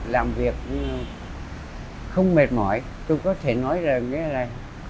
làm việc không mệt mỏi tôi có thể nói rằng là